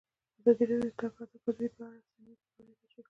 ازادي راډیو د د تګ راتګ ازادي په اړه سیمه ییزې پروژې تشریح کړې.